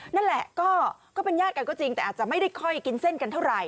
นั่นแหละก็เป็นญาติกันก็จริงแต่อาจจะไม่ได้ค่อยกินเส้นกันเท่าไหร